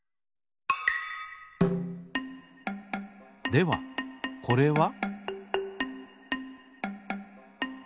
ではこれは？